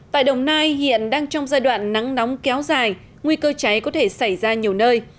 tại đồng nai hiện đang trong giai đoạn nắng nóng kéo dài nguy cơ cháy có thể xảy ra nhiều nơi